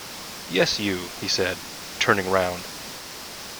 "Yes, you," he said, turning round.